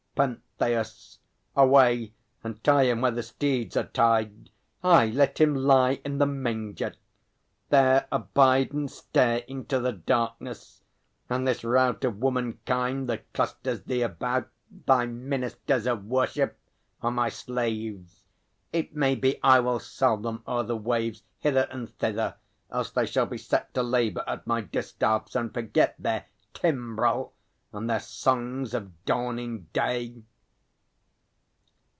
PENTHEUS. Away, and tie him where the steeds are tied; Aye, let him lie in the manger! There abide And stare into the darkness! And this rout Of womankind that clusters thee about, Thy ministers of worship, are my slaves! It may be I will sell them o'er the waves, Hither and thither; else they shall be set To labour at my distaffs, and forget Their timbrel and their songs of dawning day!